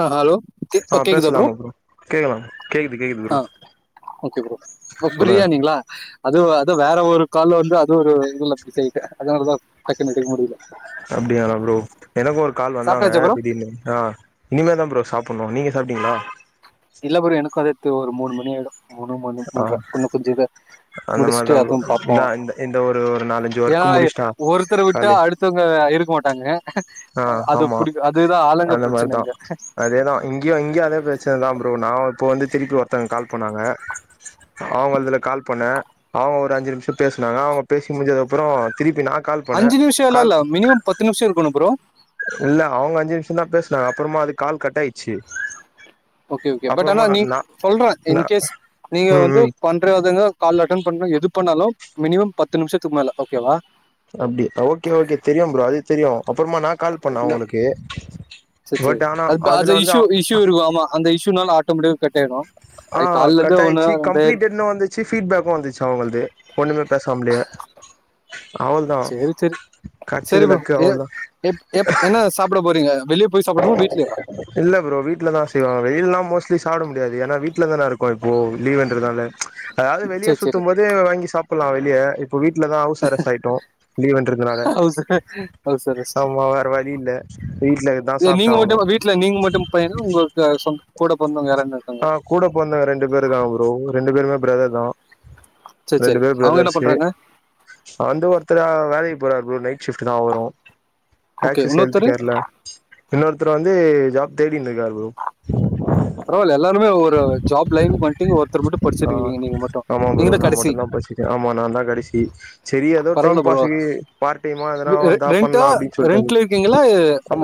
ஆஹ் hello ஆ கேக்தா கேக்குதா ப்ரோ பேசலாமா கேக்கலாம் கேக்குது கேக்குது ப்ரோ ஆஹ் ஓகே ப்ரோ ப சொல்லுங்க பிரியாணிங்ளா அதுவ் அது வேற ஒரு கால்ல வந்து அது ஒரு இடைல பிஸியாயிட்டே அதனாலதா டக்குனு எடுக்க முடிய்ல அப்டியாங்க ப்ரோ எனக்கு ஒரு கால் வந்தாங்க சாப்பிட்டாச்சா ப்ரோ திடீர்னு ஆஹ் இனிமே தா ப்ரோ சாப்புட்ணு நீங்க சாப்ட்டீங்ளா இல்ல ப்ரோ எனக்கு அது து ஒரு மூணு மணி ஆய்டு மூணு மணி ஆ மூன்ற இன்ன கொஞ்ச இருக்கா அந்த மாரிதா முடிச்ட்டு ப்ரோ அதையு பாப்போ இந்தா இந்த இந்த ஒரு ஒரு நாலஞ்சு ஏனா ஒர்க்கு முடிச்ட்டா ஒருத்தர விட்டா அடுத்தவ்ங்க இருக்க மாட்டாங்க ஆஹ் அது ஆமா பிடி அதுதான் ஆளுங்க அந்த மாரிதா பிரச்சனைங்க அதேதா இங்யு இங்யு அதே பிரச்சனதா ப்ரோ நா இப்ப வந்து திருப்பி ஒருத்தங்க கால் பண்ணாங்க அவ்ங்கள்துல கால் பண்ணே அவ்ங்க ஒரு அஞ்சு நிம்ஷ பேசுனாங்க அவ்ங்க பேசி முடிஞ்சக்கப்றோ திருப்பி நா கால் பண்ணே அஞ்சு நிமிஷம் எல்ல கால் இல்ல மினிமம் பத்து நிமிஷம் இருக்கணு ப்ரோ இல்ல அவங்க அஞ்சு நிமிஷம் தான் பேசினாங்க அப்புறமா அது கால் கட் ஆயிச்சு ஓகே ஓகே பட் ஆனா நீ சொல்றன் நா இன்கேஸ் நீங்க ம் வந்து ம் பண்றங்க கால் அட்ட் பண்ண எது போனாலும் மினிமம் பத்து நிமிஷத்துக்கு மேல ஓகேவா அப்படி ஓகே ஓகே தெரியும் ப்ரோ அது தெரியும் அப்புறமா நான் கால் பண்ணேன் இல்ல அவங்களுக்கு சரி, சரி. பட் ஆனா அது ப அது அதுல வந்து இஷ்யூ இஷ்யூ இருக்கும். ஆமா. அந்த இஸ்சுநால ஆட்டோமேட்டிக்கா கட் ஆயிடும். ஆ அது கால்லருந்து கட் ஒண்ணு ஆயிச்சு ரெண்டாயிரம் கம்ப்ளீட்டடு வந்துச்சு பீட்பேக்கும் வந்துச்சு அவங்களது ஒண்ணுமே பேசாமலே சரி சரி சரி கெடச்சது ப்ரோ லக்கு அவள்தா என்ன சாப்பிட போறீங்க வெளிய போய் சாப்பிடணுமா? வீட்லயேவா? இல்ல ப்ரோ வீட்லதான் செய்வாங்க வெளிலாம் மோஸ்ட்லி சாப்ட முடியாது ஏன்னா வீட்டுல தான இருக்கும் இப்போ லீவ்ன்றதால அதாவது வெளியே சரி, சரி. சுத்தும் போது வாங்கி சாப்ப ல வெளிய இப்போ வீடல தான் ஹவுஸ் அரெஸ்ட் ஆயிட்டோம் லீவ்ண்றதுனால ஹவுஸ் ஹவுஸ் அரெஸ்ட். ஆமா வேற வழி இல் வீட்லதான் இல்ல நீங்க மட்டும் வீட்ல நீங்க மட்டும் பையனா உங்க சொ கூட பொறந்தவங்க யாருன ஆ கூட பொறந்தவங்க ரெண்டு பேரு இருக்காங்க ப்ரோ ரெண்டு பேருமே பிரதர் தான் சரி, ரெண்டு சரி. பேர் அவங்க என்ன பிரதர்ஸ்சு பண்றாங்க? வந்து ஒருத்தர் வேலை நைட் ஷிப்ட் தான் அவரும் ஓகே. அக்செஸ் இன்னொருத்தரு? ஹெல்த்கேர்ல இன்னொரு தர் வந்து ஜாப் தேடிந்தக்கார் ப்ரோ பரவாயில்ல எல்லாருமே ஒரு ஜாப் லைனு வந்ட்டின்க ஒரு ஆ ஆமா ப்ரோ நான் கடைசி மட்டும் தான் படிச்சக்கேன் ஆமா நான் தான் கடைசி சரி ஏதோ டைம் பரவால்ல ப்ரோ பாஸக்கு பார்ட்டைமா எதுனா வந்தா ரெண்டா பண்லாம் அப்படின்னு சொல்லி ரெண்ட்ல இருக்கீங்களா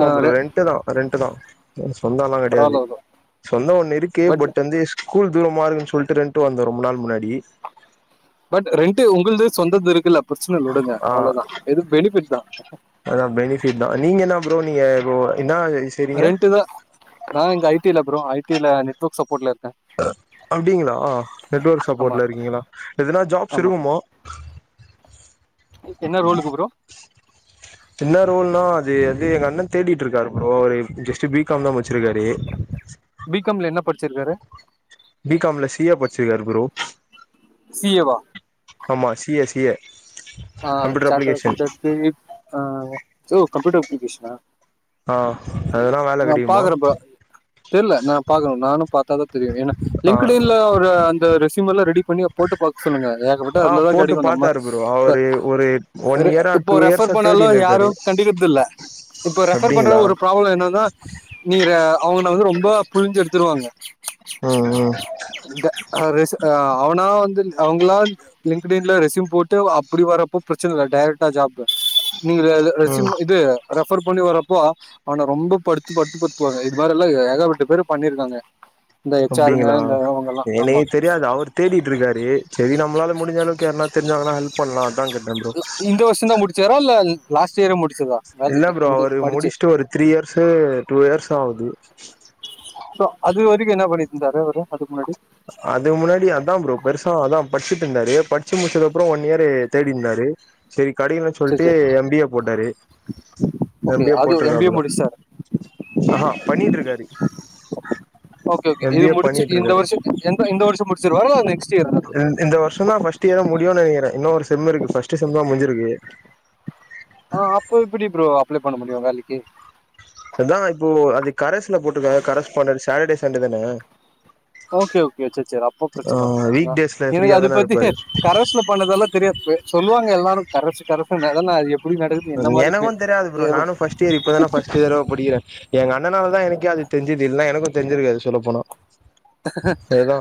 ஆ, ப்ரோ ரெண்ட் தான் ரெண்ட் தான் சொந்தம்ல்லாம் கெடையாது பரவால்ல ப்ரோ சொந்தம் ஒண்ணு இருக்கு பட் வந்து ஸ்கூல் தூரமா இருக்குன்னு சொல்ட்டு ரெண்டு வந்த ரொம்ப நாள் முன்னாடி பட் ரெண்டு உங்களது சொந்தது இருக்கு பிரச்சனை இல்ல விடுங்க ஆ அவ்வளவுதான் எது பெனிஃபிட் தான் அதா பெனிஃபிட் தா நீங்க என்ன ப்ரோ நீங்க இப்போ என்னா செய்றீங்க ரெண்ட் தா நா இங்க ஐ டி ல ப்ரோ ஐ டில நெட்வர்க் சப்போட்ல இருக் அப்டிங்களா நெட்வொர்க் ஆமா சப்போர்ட்ல இருக்கீங்களா எதனா ஜாப்ஸ் ஆமா இருக்குமோ என்ன ரோலுக்கு ப்ரோ என்ன ரோல் நா அது இது எங்க அண்ண தேடிட்டு இருக்காரு ப்ரோ ஜஸ்ட் பி காம் தா முச்சிருக்காரு பி காம்ல என்ன படிச்சிருக்காரு பி காம் ல சீ யெ படிச்சிருக்காரு ப்ரோ சி யே வா ஆமா சி யெ சி யெ ஆஹ் சாட்டட் அகவுண்டட்டு ஆஹ் ஓ கம்யூட்டர் அப்ளிகேஷனா ஆ ஒகே அதெல்லா வேல நா கெடைக்குமா பாக்கறேப்பா தெரியில நா பாக்குறே நானு பாத்தாதா தெரியு ஏன்னா ஆ லிங்க்ட் இன்ல ஒரு அந்த ரெஸ்யூம் எல்லா ரெடி புண்ணிய போட்டு பாக்ச் சொல்லுங்க ஏக்கப்பட்டது ஆ அதுலதா போட்டு கெடைக்கு நம்ம பாத்தாரு ப்ரோ அவரு ஒரு ஒன் ர இயரா இப்ப டூ ரெஃபர் இயர்ஸா பண்ணாலு தேடினு யாரு இருக்காரு கண்டுக்கறதுல்ல இப்ப ரெஃபர் அப்டிங்களா பண்றவங்க ஒரு ப்ராவல என்னனா நீ ர அவங்க உன்ன வந்து ரொம்ப புளிஞ்சி எடுத்து டுவாங்க ம் ம் இந்த ஆ ரெச் ஆ அவனா வந்து அவங்களான் லிங்க்ட் இன்ல ரெஸ்யூம் போட்டு அ அப் அப்டி வர்றப்போ பிரச்சன இல்ல டைரெக்டா ஜாப் நீங்க ர ரெஸ்யூம் ம் இது ரெஃப் ஃபர் பண்ணி வரப்போ அவன ரொம்ப படுத்து படுத்து படுத்துவாங்க இது மாரிலா ஏ ஏகப்பட்ட பேரு பண்ணிருக்காங்க அப்டிங்களா ஏனேகே தெரியாது அவர் தேடிட்டு இருக்காரு செரி நம்மளால முடிஞ்ச அளவுக்கு யார்னா தெரிஞ்சாங்கன்னா ஹெல்ப் பண்லா அதா கேட் ல இந்த வருஷொ தா முடிச்சாரா இல்ல லாஸ்ட் இயரே முடி முடிச்சதா இல்ல வேலைக்கு ப்ரோ அவரு படிச்சு முடிச்ட்டு ஒரு த்ரீ இயர்ஸூ டூ இயர்ஸ் சாவுது சோ அதுவரைக்கு என்னா பண்ணிடு இருந்தாரு அவரு அதுக்கு முன்னாடி அதுக்கு முன்னாடி அதா ப்ரோ பெருசா அதா படிச்சுட்டு இருந்தாரு படிச்சு முடிச்சதுக்கு அப்புறோ ஒன் இயர் தேடிருந்தாரு சரி கடைக்கலன் சரி சொல்லிட்டு சரி எம் பி ஏ போட்டாரு எம் ஓகே பி ஏ அது எம்பிஏ போட்டிருக்காப்புல முடிச்சாரு ஆஹா பண்ணிட்டு இருக்காரு ஓகே ஓகே எம் இது பி ஏ முடிச்சு பண்ணிட்டு இந்த இருக்காரு வருஷம் எந்த இந்த வருஷம் முடிச்சிருவாரா நெக்ஸ்ட் இயர் தான் அ இந்த வருஷொ தா ஃபர்ஸ்ட் இயரா முடியுனு நெனைக்கிறே இன்னு ஒரு செம் இருக்கு ஃபஸ்ட்டு செம் மு முடிஞ்சிருக்கு ஆஹ் அப்போ இப்டி ப்ரோ அப்ளை பண்ண முடியு வேலைக்கு அதா இப்போ அது கரச்ல போட்டுக்காங்க கரஸ்ச் பண்றேன்னு சாட்டட்டே சண்டே தானே ஓகே ஓகே ச சரி அப்ப ஆ பிரச்சன இல்ல வீக் டேஸ்ல எனக்கு ஃப்ரீயா அது தான பத்தி இருப்பாரு கரச்ல பண்ணதெல்லா தெரியாது சொல்லுவாங்க எல்லாரு கரசு கரசுன்னு அதெல்லா [unintelligible] எனக்கும் தெரியாது ப்ரோ நானும் ஃர்ஸ்ட் இயர் இப்பதான ஃர்ஸ்ட் இயர் படிக்கிறன் எ அண்ணால தா எனக்கே அது தெரிஞ்சது இல்ல்லா எனக்கும் தெஞ்சிருக்காது சொல்ல போன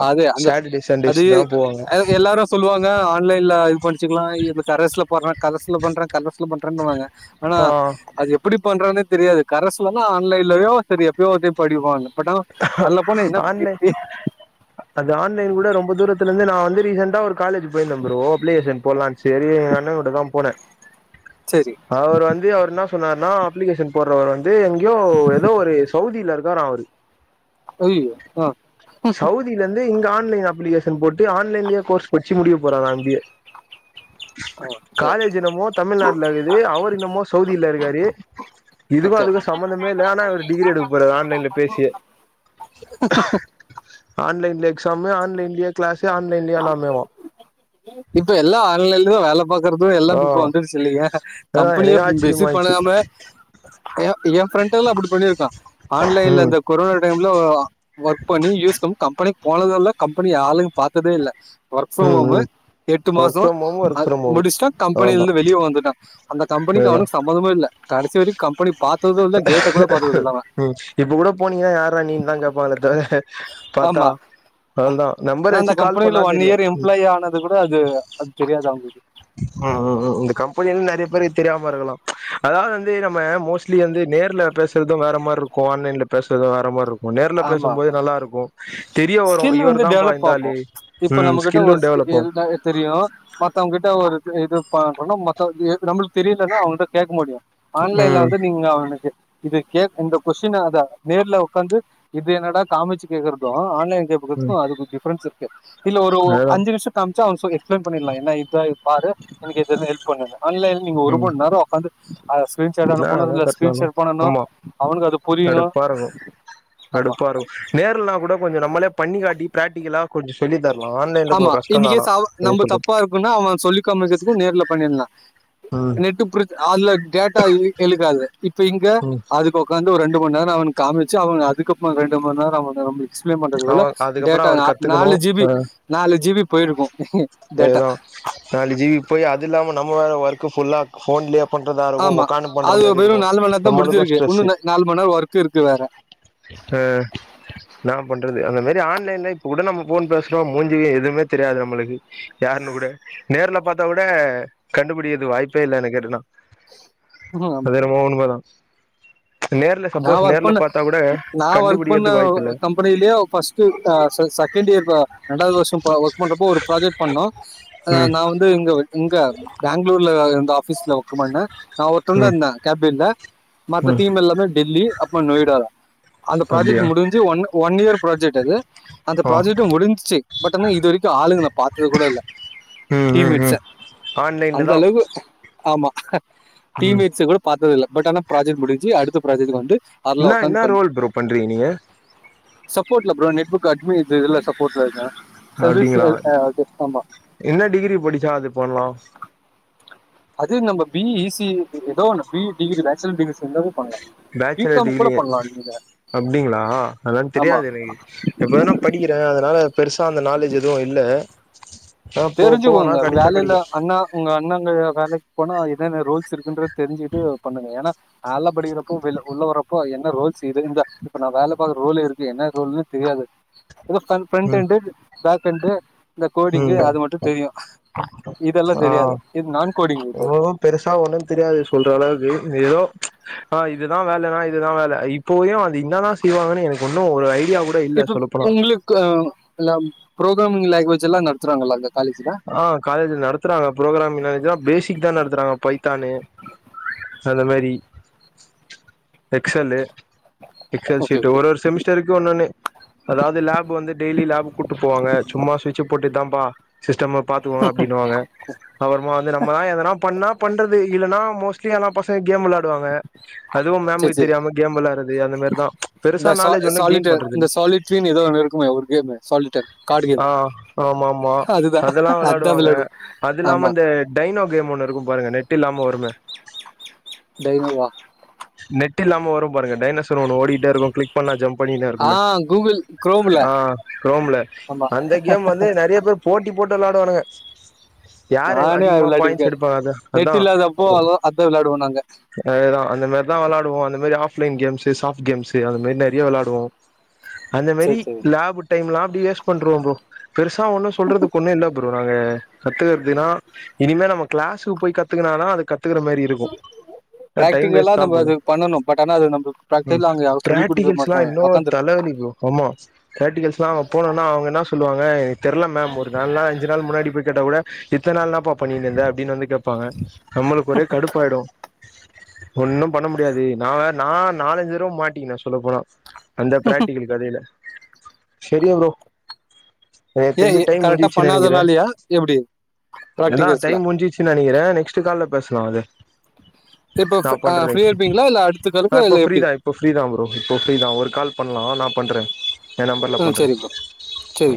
அதுே அந்த சண்டேஸ் அது தா போவாங்க எல்லாரும் சொல்லுவாங்க ஆன்லைன்ல இது பண்ணச்சுக்கலாம் கரஸ்ல போடுற கர்சுல பண்றன் கலசு பண்றேன்னுவாங்க ஆனா ஆ அது எப்படி பண்றே தெரியாது கரசுன்னா ஆன்லைன்லயோ சரிய அப்பயோத்தையும் படிவாங்க பட் ஆனா ஆன்லைன் அது ஆன்லைன் கூட ரொம்ப தூரத்துல இருந்து நா வந்து ரிசென்ட்ட ஒரு காலேஜ் போயிரு தம்பவோ அப்பிளேசன் போலான்னு சரி எங்க அண்ணன்கிட்ட தா போனே சரி அவர் வந்து அவர் என்ன சொன்னார்னா அப்ளிகேஷன் போற [unintelligible] எங்கேயோ ஏதோ ஒரு சவுதியில இரு இருக்காரா அவரு ஐயோ ஆஹ் அப்பிளிக்கேஷன் போட்டு ஆன்லைன்லயே கோர்ஸ் பச்சு முடிக்க போறா அங்கேயே ஆ சரி காலேஜ் இனமோ தமிழ்நாட்டுல இருகுது அவர் இனமோ சவுதியில இருக்காரு இதுக்கு ஓகே அதுக்கு சம்பந்தமே இல்லே ஆனா இவர் டிகிரி எடுக்க போறார் ஆன்லைன்லே பேசியே ஆன்லைன்ல எக்ஸாமு ஆன்லைன்லயே கிளாஸ் ஆன்லைன்லயே எல்லாமேவா இப்ப எல்லா ஆன்லைன்ல தா வேலேப் பாக்குறது எல்லா ஆ இப் இப்ப வந்துருச்சு இல்லயா அதா கம்பெனியே எனக்கே ஆச்சரியமா விசிட் இருந்துச்சு பண்ணாம ஏ ஏ ஃப்ரண்ட்ல அப்புடி பண்ணிருக்க ஆன்லைன்ல ம் இந்த கொரனா டைம்ல ஒர்க் பண்ணி யூஸ்க்கும் கம்பெனி போனதடல்ல கம்பெனி ஆளுங்க பாத்ததே இல்லே ஒர்க்ஃப்ரம் ம் ஹோமு ம் எட்டு ஒர்க் மாச ஃப்ரம் ஹோம் ஒர்க் அது ஃப்ரம் முடிச்ட்டா கம்பெனிலருந்து வெளியே வந்துட்டா அந்த கம்பெனிக்கு அதா அவனுக்கு சம்மந்தமே இல்ல கடைசி வரைக்கு கம்பெனி பாத்தது இல்ல கேட்ட கூட பாத்தது இல்ல அவ ம் இப்ப கூட போனீங்கனா யார்ரா நீன்னு தா கேட்பாங்கள தவிர பாத்தா ஆமா அதுதா நம்பர் நா அந்த வச்சு கால் பண்ணா தெரியு ம் து அது தெரியாது அவங்களுக்கு ம் ம் இந்த கம்பெனில நெறைய பேருக்கு தெரியாம இருக்கலாம் அதாவது வந்து நம்ம மோஸ்ட்லி வந்து நேர்ல பேசுறது வேற மாரி இருக்கு ஆன்லைன்ல பேசறது வேற மாரி இருக்கு நேர்ல ஆமா பேசும்போது நல்லா இருக்கு தெரிய வரு ஸ்கில் இவர் வந்து தான்ப்பா இந்த டெவலப்பாகு ஆளு இப்ப ம் நம்ம கிட்ட ஸ்கில்லு ஒரு ஸ் டெவலப் ஆகு எதுனா தெரியு மத்தவங்க கிட்ட ஒரு இது பா பண்ணா மத்த ஏ நம்மளுக்கு தெரியலன்னா அவங்கள்ட்ட கேட்க முடியு ஆன்லைன்ல ம் வந்து நீங்க அவனுக்கு இது கே இந்த ஃஉஎஸ்டியன் அத நேர்ல உக்காந்து இது என்னடா காமிச்சு கேக்குறது ஆன்லைன் ம் வித்துக்கு அதுக்கு டிஃபரன்ஸ் இருக்கு இல்ல ஒரு ஒ அதேதா அஞ்சு நிமிஷ காம் ஆக்சள ஒன் சக் எக்ஸ்பிளோன் பண்ணிடலா எனா இத பாரு எனக்கு எதுன்னு ஹெல்ப்பண்ணுனு ஆன்லைன் நீங்க ம் ஒருமண் நேர உக்காந்து ஆகாஷ் ஸ்கிரீன் சாட் என்னா அனுப்பனு அதா இதுல கட்னாலு ஸ்கிரீன்ஷாட் பண்ணனு ஆமா அவனுக்கு அது புரியணு கடுப்பாருக்கு நேருல் லா கூட கொஞ்ச நம்மளே பண்ணிகாட்டி பிராக்டிகலா கொஞ்ச சொல்லி தர ஆமா இன் கேஸ் அவ நம்ம சொல்றது தப்பா இருக்குனா அவன் சொல்லி காம்மிக்கிறதுக்கு நேர்ல பண்ணிடலா ம் நெட் அதுல டேட்டா எழுகாது இப்ப இங்க ம் அதுக்கு உக்காந் ஒரு ரெண்டு ம நேர அவனுக்கு காமிச்சு அவன் அதுக்கப்பரோ ரெண்டு ம நேர அவன நம்பி எக்ஸ்ப்ளைன் அவ பண்றதுகுல்ல டேட்டா நா நாலு ஜிபி நாலு ஜிபி போயிருக்கும் டேட்டா இதா நாலு ஜிபி போய் அது இல்லாம நம்ம வேற ஒர்க்கு ஃபுல்லா போன்லேயே பண்றதா இருக்கு ஆமா உக்காந்து பண்ற அது மாரி இருக்கு வெறும் நாலு மணி நேரம் தான் நம்மளுக்கு முடிஞ்சிருக்கு ஸ்ட்ரெஸ்ஸு இன்னும் நா- நாலு மணி நேரம் ஒர்க் இருக்கு வேற ஆ அந்த மாி ஆன்லைன்ல இப்ப கூட நம்ம போன் பேசுறோம் மூஞ்சு எதுவுமே தெரியாது நம்மளுக்கு யாருன்னு கூட நேர்ல பார்த்தா கூட கண்டுபிடிது வாய்ப்பே இல்லன்ன என் கேட்டனா ம், ஆமா அது என்னமோ உண்ம தா நேர்ல சப்போஸ் நான் ஒர்க் நேர்ல பண்ற பார்த்தா கூட கண்டுபிடிக்கதுக்கு வாய்ப்பு இல்ல எப்படியோ ஃபர்ஸ்ட்டூ ஆ செகண்ட் இயர் ரெண்டாவது வருஷம் ஒர்க் பண்றப்போ ஒரு ப்ராஜெக்ட் பண்ணோ ஆ ம் நா வந்து இங்க பெங்களூர்ல அந்த ஆஃபீஸ்ல வொக்கு பண்ண நா ஒருத்ததா ம் இருந்த கேபின்ல மத்த ம் டீம் எல்லாமே தில்லி அப்புற நோய்டால அந்த ப்ராஜெக்ட் அப்டியா முடிஞ்சு ஒன் ஒன் இயர் ப்ராஜெக்ட் அது அந்த ஆ ப்ராஜெக்ட்ட முடிஞ்சச்சு பட் ஆனா இது வரைக்கு ஆளுங்க நா பாத்து கூட இல்ல ம் ம் டீமேட்ஸ ம் ஆன்லைன்ல அந்த தா அளவு ஆமா ம் டீம்மேட்ஸ் கூட பாத்து இல்ல பட் ஆன ப்ரஜெக்ட் முடிஞ்சு அடுத்த ப்ராஜெக்ட் வந்து அதுல என்ன என்ன உக்காந்து பண்ணி ரோல் ப்ரோ பண்றீங்க நீங்க சப்போர்ட்ல ப்ரோ நெட் ஒர்க் அட்மின் இதுல சப்போர்ட்ல இருக்க அப்டிங்களா என்ன டிகிரி படுச்சா அது பண்லாம் அது நம்ம பி இ சி ஏதோ ஒன்னு பி டிகிரி பேச்சுலர் டிகிரிஸ் இருந்தாவே பேச்சுலர் டிகிரி அப்டிங்களா அதல்லாம் ஆமா தெரியாது எனக்கு இப்பதானான படிக்கிறேன் அதுனால பெருசா அந்த நாலேஜ் எதுவும் இல்ல ஆ போ போனா தெரிஞ்சுக்கோங்க கெடச்சா வேலையில கெடைக்கு அண்ணா உங்க அண்ணாங்க வேலைக்கு போனா என்னென்ன ரோல்ஸ் இருக்குன்றத தெரிஞ்சுட்டு பண்ணுங்க ஏன்னா நா லா படிக்கிறப்போ வெள்ள உள்ள வற்றப்போ என்ன ரோல்ஸ் இது இந்த இப்ப நான் வேல பாக்குற ரோல் இருக்கு என்ன ரோல்ன்னு தெரியாது இது ஃப்ரண் ஃப்ரெண்ட்ண்டு பாக் எண்டு கோடிங்கு உம் அது மட்டும் தெரியும் இதெல்லாம் தெரியாது ஆஹ் இது நான் கோடிங் இது எவ்வோ பெருசா ஒண்ணும் தெரியாது சொல்ற அளவுக்கு ஏதோ ஆஹ் இதுதான் வேலைனா இதுதான் வேல இப்போயும் அது இந்த தான் செய்வாங்கன்னு எனக்கு ஒன்னு ஒரு ஐடியா கூட இல்ல இப்ப சொல்லப்போனா உங்களுக்கு லவ் ப்ரோகிராமிங் லாங்குவேஜ்ல்லா நடத்துறாங்களா அங்க காலேஜ்ல ஆஹ் காலேஜுல நடத்துறாங்க ப்ரோகிராமிங் லாங்குவேஜ்தா பேசிக் தான் நடத்துறாங்க பய் தானு அந்த மாரி excel excel okay sheet okay ஒரு ஒரு செமஸ்டருக்கும் ஒன்னொன்னு அதாவது லேப் வந்து டெய்லி லேப் கூட்டு போவாங்க சும்மா சுட்ச போட்டு இதான்ப்பா சிஸ்டம் அப் பாத்துகோங்க அப்டினுவாங்க அப்புறமா வந்து நம்மளா எதனா பண்ணா பண்றது இல்லன்னா மோஸ்ட்லி ஆனா பசங் கேம் விளையாடுவாங்க அதுவும் சரி மேமுக்கு சரி தெரியாம கேம் விளாட்றது அந்த மாரிதான் ச் பெருசா இந்த நாலேஜ் ஒன்னும் கெய்ன் சாலிட்டர் பண்றது இந்த இல்ல சாலிட்ரின்னு ஏதோ ஒன்று இருக்குமே ஒரு கேம் சாலிட்டர் கார்டு கேம் ஆஹ் ஆமாம்மா அதுதான் அதெல்லாம் அதுதான் விளையாடுவாங்க விளையாடும் அது இல்லாம ஆமா இந்த டைனோ கேம் ஒண்ணு இருக்கும் பாருங்க நெட்டு் இல்லாம வருமே டைனோவா நெட்டு் இல்லாம வரும் பாருங்க டைனோஸ் ஸர் ஒன்னு ஓடிட்டே இருக்கும் கிளிக் பண்ணா ஜம்ப் பண்ணிட்டே ஆ இருக்குமே கூகுள் குரோம்ல ஆஹ் ரோம்ல ஆமா அந்த கேம் வந்து நெறைய பேர் போட்டி போட்டலாம் டாணுங்க நானே அது விளையாடிர்க்கேன் அத அதா நெட்டு் இல்லாதப்போ அத அதான் விளையாடுவோ நாங்க அதேதா அந்த [unintelligible] அந்த மாதி ஆஃப் லைன் கேம்ஸ்சு சாப்ட் கேஸ்சு அது மாரி நெறைய விளாடுவோம் அந்த மாரி சரி சரி லாப் டைம்லாம் அப்டி வேஸ்ட் பண்றோ ப்ரோ பெருசா ஒன்னும் சொல்றதுக்கு ஒன்னும் இல்ல ப்ரோ நாங்க கத்துக்குறதுன்னா இனிமே நம்ம கிளாஸுக்கு போய் கத்துக்குனா அது கத் க்கிற மாரி இருக்கும் டைம் வேஸ் ப்ராக்டிக்கலா நம்ம அது பண்ணணும் பட் ஆனா அது நம்ம ம் ப்ராக்டிக்கலா அங்க யாரும் சொல்லி கொடுக்க பிராக்டிகல்ஸ்லா மாட்டாங்க இன்னூ உக்காந்துரும் தலைவலி ப்ரோ ஆமா பிராக்டிகல்ஸ்ன்னா போனோனா அவங்க என்ன சொல்லுவாங்க தெரில மேம் ஒரு நால் நாள் அஞ்சு நாள் முன்னாடி போயிட்டு [unintelligible] இத்தன்நாள் என்னாப்பா பண்ணிருந்த அப்டின்னு வந்து கேப்பாங்க நம்ளுக்கு ஒரே கடுப்பாயிடூ ஒன்னூ பண்ண முடியாது நா நா நாலஞ்சு தடவ மாட்டிங்கினே சொல்ல போனா அந்த பிராக்டிக்கல் கதையில சரிங் ப்ரோ எனக் ஏன் தெர்ஞ்சு டைம் கரெக்டா முடிஞ்சுச்சு நெனைக்கிறே பண்ணாதனாலயா எப்படி ஏனா ப்ராக்டிகல்ஸ்ல டைம் முடிஞ்சிச்சு நெனைக்கிறே நெக்ஸ்ட் கால்ல பேசலா அத இப்ப ஃப் ஆ பண்றய் ஃப்ரீயா இருப்பீங்களா? இல்ல அடுத்த ஆ காலுக்கா? இப்ப இல்ல ஃப்ரீ எப்டி? தா இப்போ ஃப்ரீ தா ப்ரோ இப்போ ஃப்ரீ தா ஒரு கால் பண்லா நா பண்றே ஏ நம்பர்ல ஆ பண்றே சரி ப்ரோ. சரி.